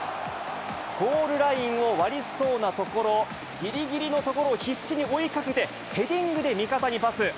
ゴールラインを割りそうなところ、ぎりぎりのところを必死に追いかけて、ヘディングで味方にパス。